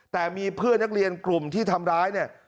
แต่มีเพื่อนนักเรียนกลุ่มที่ทำร้ายเนี่ย